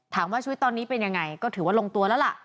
ชีวิตตอนนี้เป็นยังไงก็ถือว่าลงตัวแล้วล่ะ